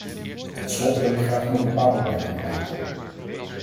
Tot slot wil ik graag nog een paar opmerkingen maken.